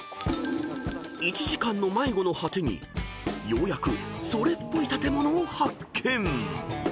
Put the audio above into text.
［１時間の迷子の果てにようやくそれっぽい建物を発見！］